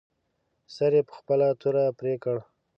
سر یې په خپله توره پرې کړ.